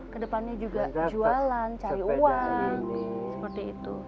ke depannya juga jualan cari uang seperti itu